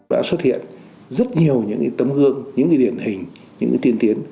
đã xuất hiện rất nhiều những tấm gương những điển hình những tiên tiến